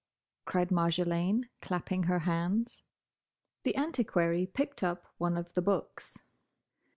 cried Marjolaine, clapping her hands. The Antiquary picked up one of the books.